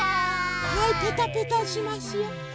はいぺたぺたしますよ。